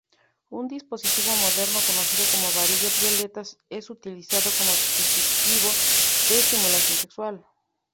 Un dispositivo moderno conocido como "varilla violeta" es utilizado como dispositivo de estimulación sexual.